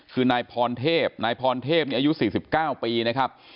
คือนายพรเทพนายพรเทพนี่อายุสี่สิบเก้าปีนะครับ